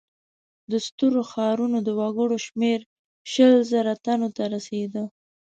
د سترو ښارونو د وګړو شمېر شل زره تنو ته رسېده.